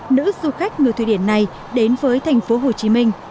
nữ du khách người thụy điển này đến với thành phố hồ chí minh